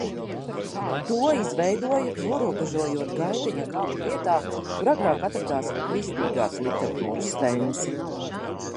To izveidoja, norobežojot gaiteņa galu vietā, kur agrāk atradās kristīgās literatūras stends.